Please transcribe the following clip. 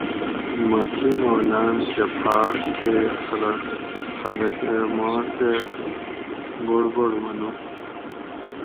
مٞہ کِینولام کٞہ پھاٞݭ تے خلک اٞ ماکٞہ بڑبڑ منُو